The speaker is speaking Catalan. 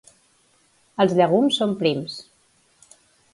Els llegums són prims.